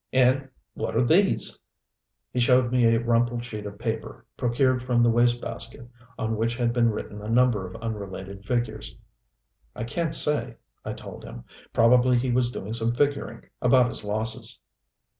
And what are these?" He showed me a rumpled sheet of paper, procured from the waste basket, on which had been written a number of unrelated figures. "I can't say," I told him. "Probably he was doing some figuring about his losses."